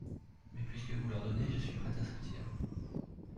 Mais puisque vous l'ordonnez, je suis prêt à sortir.